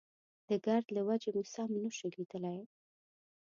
د ګرد له وجې مو سم نه شو ليدلی.